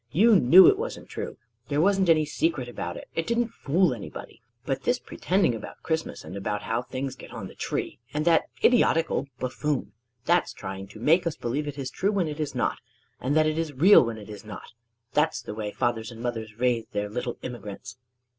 You knew it wasn't true: there wasn't any secret about it: it didn't fool anybody. But this pretending about Christmas and about how things get on the Tree, and that idiotic old buffoon! that's trying to make us believe it is true when it is not true; and that it is real when it is not real! That's the way fathers and mothers raise their little immigrants!"